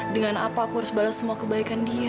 dengan apa aku harus balas semua kebaikan dia